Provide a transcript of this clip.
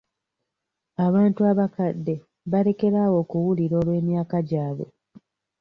Abantu abakadde balekera awo okuwulira olw'emyaka gyabwe.